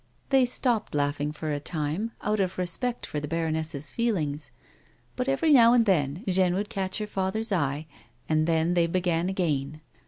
They stopped laughing for a time, out of respect for the baroness's feelings, but every now and then Jeanne would catch her father's eye, and then they began again.